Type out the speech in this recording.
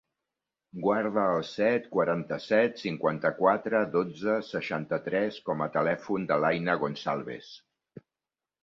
Guarda el set, quaranta-set, cinquanta-quatre, dotze, seixanta-tres com a telèfon de l'Aina Gonçalves.